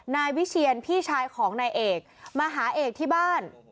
นายวิเชียนพี่ชายของนายเอกมาหาเอกที่บ้าน